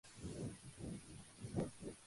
La familia desaparece en el